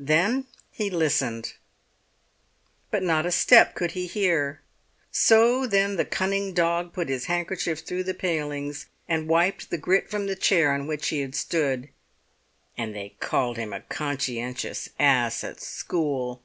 Then he listened; but not a step could he hear. So then the cunning dog put his handkerchief through the palings and wiped the grit from the chair on which he had stood. And they called him a conscientious ass at school!